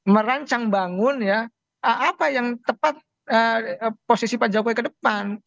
merancang bangun ya apa yang tepat posisi pak jokowi ke depan